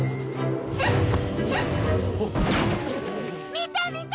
見て見て！